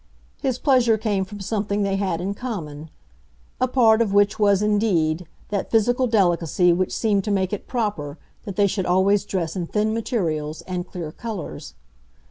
His pleasure came from something they had in common—a part of which was, indeed, that physical delicacy which seemed to make it proper that they should always dress in thin materials and clear colors.